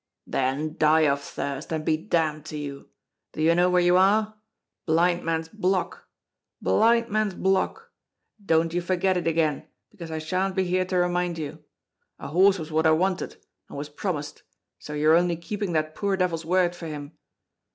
"Then die of thirst, and be damned to you! Do you know where you are? Blind Man's Block Blind Man's Block! Don't you forget it again, because I shan't be here to remind you; a horse was what I wanted, and was promised, so you're only keeping that poor devil's word for him.